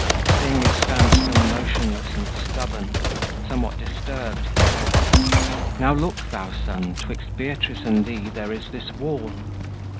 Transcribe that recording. Seeing me stand still motionless and stubborn, Somewhat disturbed he said: "Now look thou, Son, 'Twixt Beatrice and thee there is this wall."